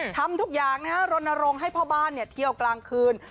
ทำทุกอย่างรณรงค์ให้พ่อบ้านเที่ยวกลางคืน